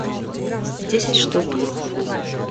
десять штук